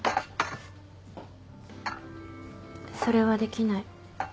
それはできない。